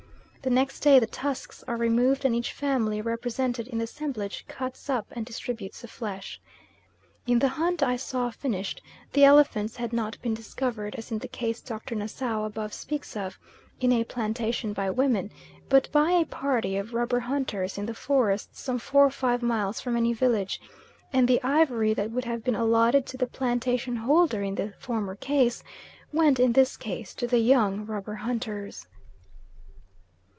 The next day the tusks are removed and each family represented in the assemblage cuts up and distributes the flesh." In the hunt I saw finished, the elephants had not been discovered, as in the case Dr. Nassau above speaks of, in a plantation by women, but by a party of rubber hunters in the forest some four or five miles from any village, and the ivory that would have been allotted to the plantation holder in the former case, went in this case to the young rubber hunters.